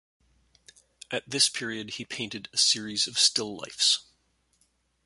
At this period he painted a series of still lifes.